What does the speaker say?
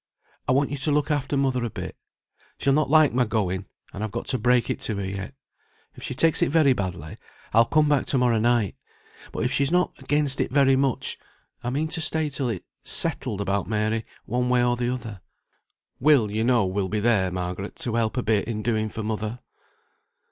I want you to look after mother a bit. She'll not like my going, and I've got to break it to her yet. If she takes it very badly, I'll come back to morrow night; but if she's not against it very much, I mean to stay till it's settled about Mary, one way or the other. Will, you know, will be there, Margaret, to help a bit in doing for mother."